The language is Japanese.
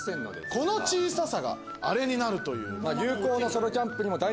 この小ささがあれになるという。